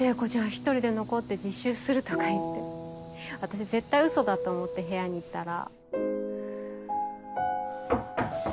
一人で残って自習するとか言って私絶対ウソだと思って部屋に行ったら。